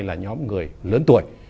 là nhóm người lớn tuổi